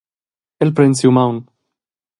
El pren siu maun.